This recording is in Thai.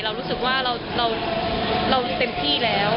เรารู้สึกว่าเราเต็มที่แล้ว